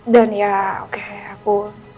dan ya oke aku